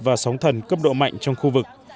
và sóng thần cấp độ mạnh trong khu vực